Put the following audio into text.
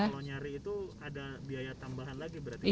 kalau nyari itu ada biaya tambahan lagi